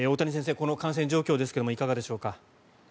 この感染状況ですがいかがでしょうか。